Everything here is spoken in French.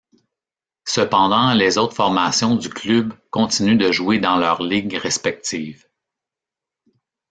Cependant, les autres formations du club continuent de jouer dans leurs ligues respectives.